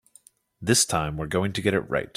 This time we're going to get it right.